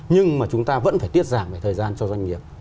nhưng mà chúng ta vẫn phải tiết giảm về thời gian cho doanh nghiệp